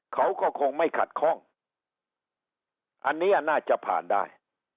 เขาก็คงไม่ขัดข้องอันนี้น่าจะผ่านได้